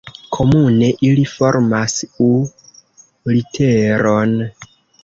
Komune ili formas U-literon.